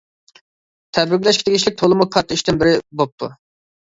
تەبرىكلەشكە تېگىشلىك تولىمۇ كاتتا ئىشتىن بىرى بوپتۇ.